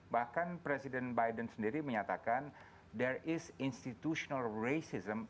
bahkan presiden biden sendiri menyatakan there is institutional racism